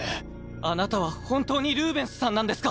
あなたは本当にルーベンスさんなんですか？